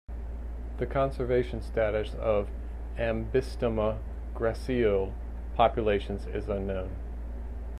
The conservation status of "Ambystoma gracile" populations is unknown.